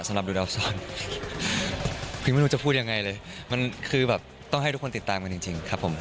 สำหรับดูดาวซ้อนพิมไม่รู้จะพูดยังไงเลยมันคือแบบต้องให้ทุกคนติดตามกันจริงครับผม